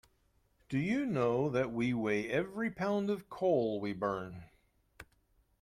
Do you know that we weigh every pound of coal we burn.